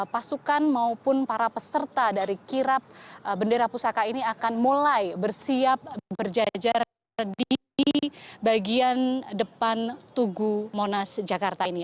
pasukan maupun para peserta dari kirap bendera pusaka ini akan mulai bersiap berjajar di bagian depan tugu monas jakarta ini